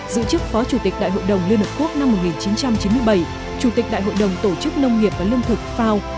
giữ chức phó chủ tịch đại hội đồng liên hợp quốc năm một nghìn chín trăm chín mươi bảy chủ tịch đại hội đồng tổ chức nông nghiệp và lương thực fao